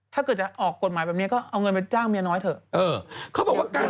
ถ้าเกิดจะออกกฎหมายแบบนี้ก็เอาเงินไปจ้างเมียน้อยเถอะ